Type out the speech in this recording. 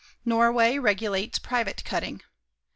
Norway regulates private cutting.